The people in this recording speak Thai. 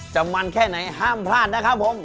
จะมันแค่ไหนห้ามพลาดนะครับผม